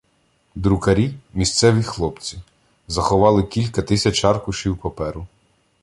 Друкарі — місцеві хлопці — заховали кілька тисяч аркушів паперу.